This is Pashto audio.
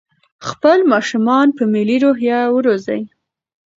خپل ماشومان په ملي روحيه وروزئ.